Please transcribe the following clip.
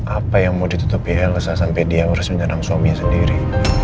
apa yang mau ditutupi elsa sampai dia harus menyerang suaminya sendiri